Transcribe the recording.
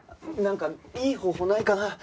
なんかいい方法ないかな？